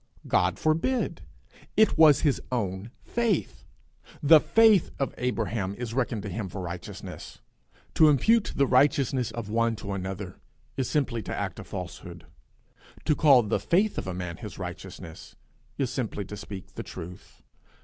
God forbid! It was his own faith. The faith of Abraham is reckoned to him for righteousness. To impute the righteousness of one to another, is simply to act a falsehood; to call the faith of a man his righteousness is simply to speak the truth.